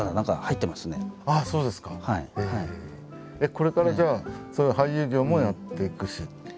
これからじゃあそういう俳優業もやっていくし。